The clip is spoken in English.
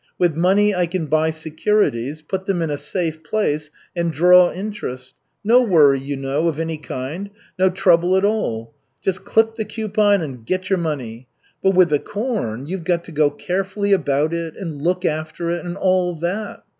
With money I can buy securities, put them in a safe place, and draw interest. No worry, you know, of any kind, no trouble at all. Just clip the coupon and get your money. But with the corn you've got to go carefully about it, and look after it, and all that.